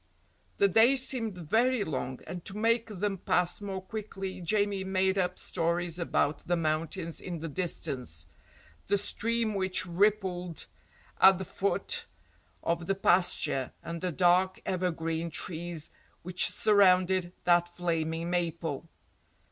The days seemed very long, and to make them pass more quickly Jamie made up stories about the mountains in the distance, the stream which rippled at the foot of the pasture and the dark evergreen trees which surrounded that flaming maple.